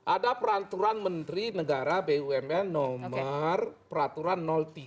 ada peraturan menteri negara bumn nomor peraturan tiga dua ribu dua belas